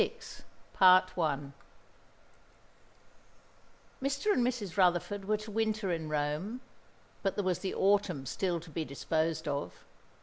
CHAPTER XXVI Mr. and Mrs. Rutherford were to winter in Rome, but there was the autumn still to be disposed of.